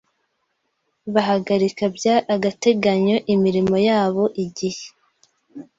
bahagarika by agateganyo imirimo yabo igihe